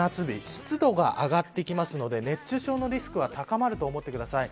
湿度が上がってくるので熱中症のリスクは高まると思ってください。